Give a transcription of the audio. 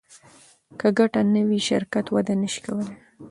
که ګټه نه وي شرکت وده نشي کولی.